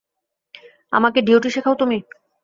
আমাকে ডিউটি শেখাও তুমি!